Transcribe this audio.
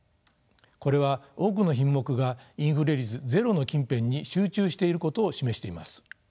これは多くの品目がインフレ率ゼロの近辺に集中していることを示しています。